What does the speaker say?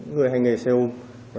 người hành nghề xe ôm